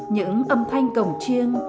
những âm thanh cổng chiêng